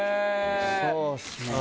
そうですね。